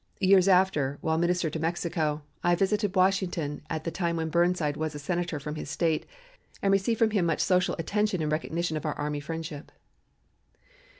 Years after, while Minister to Mexico, I visited Washington at the time when Burnside was a Senator from his State, and received from him much social attention in recognition of our army friendship.